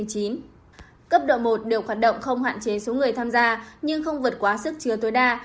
cấp độ một đều hoạt động không hạn chế số người tham gia nhưng không vượt quá sức chứa tối đa